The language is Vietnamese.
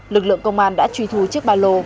lực lượng công an đã truy thu chiếc ba lô